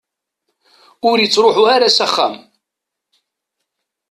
Ur ittruḥu ara s axxam?